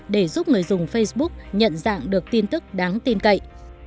để giúp người dùng facebook nhận dạng được tin tức đáng tin cậy